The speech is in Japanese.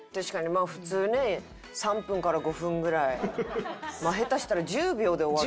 まあ普通ね３分から５分ぐらい下手したら１０秒で終わる。